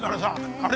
あれ？